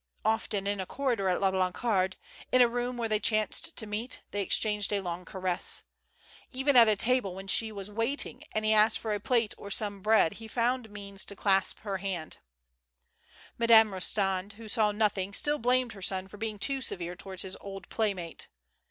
Often in a corridor at La Blancarde, in a room where they chanced to meet, they exchanged a long caress. Even at table, when she was waiting and he asked for a plate or some bread he found means to clasp 132 DISCOVERED. her hand. Madame Rostand, who saw nothing, still blamed her son for being too severe towards his old playmate.